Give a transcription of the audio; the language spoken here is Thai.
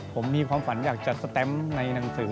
ผมมีความฝันอยากจัดสแตมป์ในหนังสือ